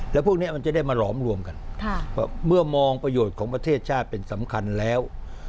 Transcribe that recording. แล้วพวกนี้มันจะได้มาหลอมรวมกันเมื่อมองประโยชน์ของประเทศชาติเป็นสำคัญแล้ว